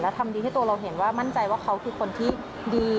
ทำดีให้ตัวเราเห็นว่ามั่นใจว่าเขาคือคนที่ดี